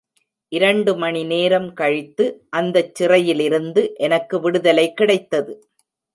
இரண்டு மணி நேரம் கழித்து அந்தச் சிறையிலிருந்து எனக்கு விடுதலை கிடைத்தது.